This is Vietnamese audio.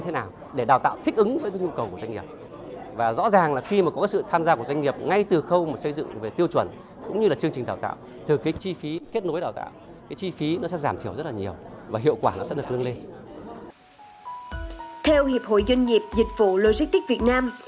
theo hiệp hội doanh nghiệp dịch vụ logistics việt nam